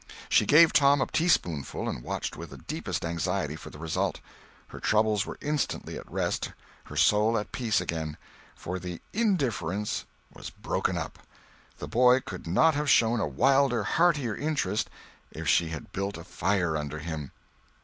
She gave Tom a teaspoonful and watched with the deepest anxiety for the result. Her troubles were instantly at rest, her soul at peace again; for the "indifference" was broken up. The boy could not have shown a wilder, heartier interest, if she had built a fire under him.